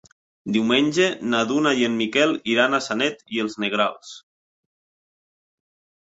Diumenge na Duna i en Miquel iran a Sanet i els Negrals.